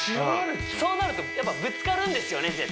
そうなるとやっぱぶつかるんですよね